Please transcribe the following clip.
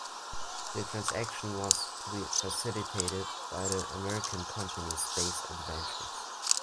The transaction was to be facilitated by the American company Space Adventures.